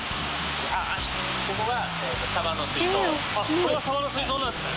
これがサバの水槽なんですね